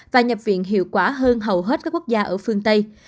và nhập viện hiệu quả hơn hầu hết các quốc gia ở phương tây